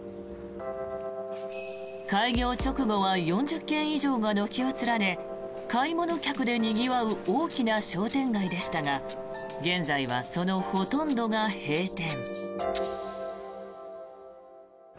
開業直後は４０軒以上が軒を連ね買い物客でにぎわう大きな商店街でしたが現在はそのほとんどが閉店。